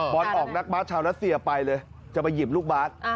ออกนักบาสชาวรัสเซียไปเลยจะไปหยิบลูกบาท